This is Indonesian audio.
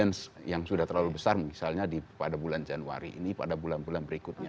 dan kemudian yang sudah terlalu besar misalnya pada bulan januari ini pada bulan bulan berikutnya